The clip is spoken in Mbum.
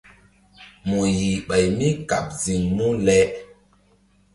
Mu yih ɓay mí kaɓ ziŋ mu le?